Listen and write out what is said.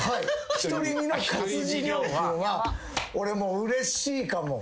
独り身の勝地涼君は俺うれしいかも。